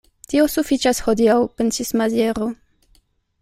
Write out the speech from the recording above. Tio sufiĉas hodiaŭ, pensis Maziero.